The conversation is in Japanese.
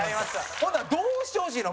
ほんなら、どうしてほしいの？